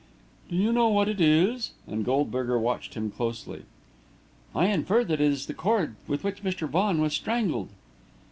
"Do you know what it is?" and Goldberger watched him closely. "I infer that it is the cord with which Mr. Vaughan was strangled."